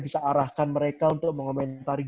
bisa arahkan mereka untuk mengomentari